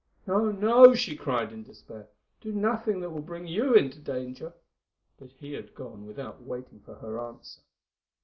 "No, no," she cried in despair; "do nothing that will bring you into danger." But he had gone without waiting for her answer.